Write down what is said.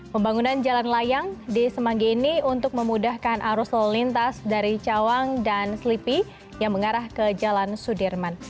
pembangunan jalan layang di semanggi ini untuk memudahkan arus lalu lintas dari cawang dan selipi yang mengarah ke jalan sudirman